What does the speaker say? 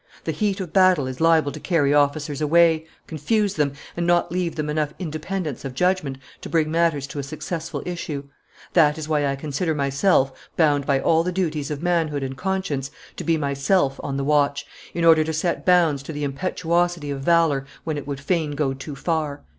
The heat of battle is liable to carry officers away, confuse them, and not leave them enough independence of judgment to bring matters to a successful issue. That is why I consider myself bound by all the duties of manhood and conscience to be myself on the watch, in order to set bounds to the impetuosity of valor when it would fain go too far."